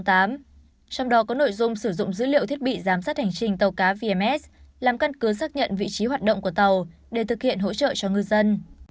trong đó có nội dung sử dụng dữ liệu thiết bị giám sát hành trình tàu cá vms làm căn cứ xác nhận vị trí hoạt động của tàu để thực hiện hỗ trợ cho ngư dân